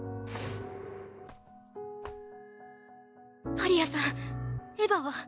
パリアさんエヴァは？